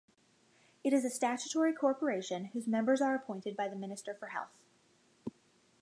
It is a statutory corporation whose members are appointed by the Minister for Health.